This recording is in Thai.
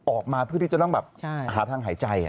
ออกมาเพื่อที่จะต้องแบบหาทางหายใจ